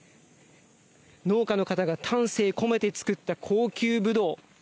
農家の方が丹精込めて作った高級ぶどう。